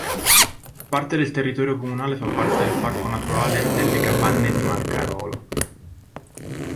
Parte del territorio comunale fa parte del Parco naturale delle Capanne di Marcarolo.